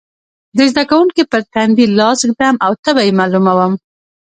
د زده کوونکي پر تندې لاس ږدم او تبه یې معلوموم.